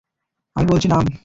আমি বলছি নাম।